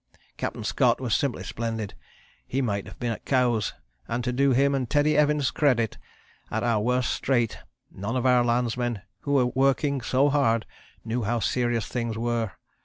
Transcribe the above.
Captain Scott was simply splendid, he might have been at Cowes, and to do him and Teddy Evans credit, at our worst strait none of our landsmen who were working so hard knew how serious things were.